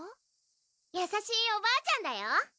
やさしいお婆ちゃんだよ